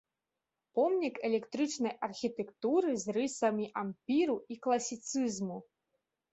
Помнік эклектычнай архітэктуры з рысамі ампіру і класіцызму.